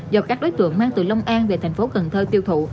do các đối tượng mang từ long an về thành phố cần thơ tiêu thụ